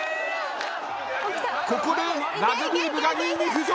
ここでラグビー部が２位に浮上！